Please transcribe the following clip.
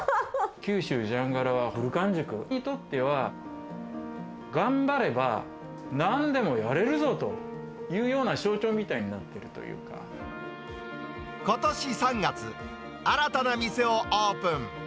九州じゃんがらは、ブルカン塾にとっては、頑張ればなんでもやれるぞというような象徴みたいになことし３月、新たな店をオープン。